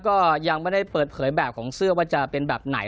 ก็ยังไม่ได้เปิดเผยแบบของเสื้อว่าจะเป็นแบบไหน